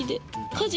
家事。